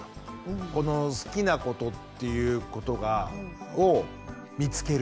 この好きなことっていうことを見つける。